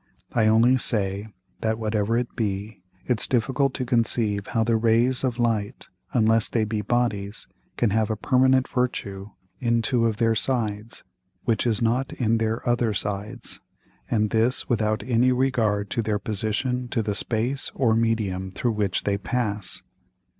I only say, that whatever it be, it's difficult to conceive how the Rays of Light, unless they be Bodies, can have a permanent Virtue in two of their Sides which is not in their other Sides, and this without any regard to their Position to the Space or Medium through which they pass.